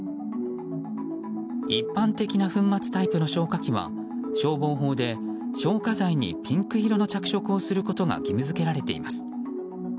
一般的な粉末タイプの消火器は消防法で消火剤にピンク色の着色をすることが義務付けられています。